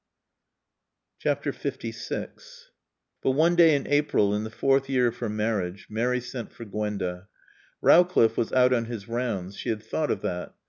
LVI But one day in April, in the fourth year of her marriage, Mary sent for Gwenda. Rowcliffe was out on his rounds. She had thought of that.